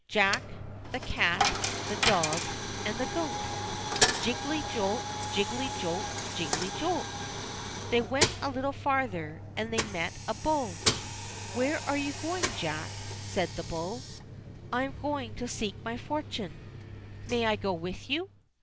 Jack, the cat, the dog, and the goat. I Jiggelty jolt, jiggelty jolt, jiggelty jolt! j They went a little farther and they met a bull. | "Where are you going, Jack.?" said the bull. 1 "I am going to seek my fortune." "May I go with you?"